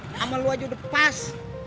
sama lu aja udah pas